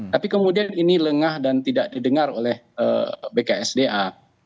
tapi kemudian ini lengah dan tidak didengar oleh bksda